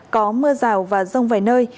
có mưa rào và rông vài nơi